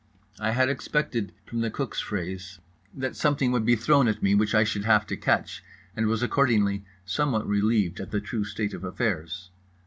I had expected from the cook's phrase that something would be thrown at me which I should have to catch, and was accordingly somewhat relieved at the true state of affairs.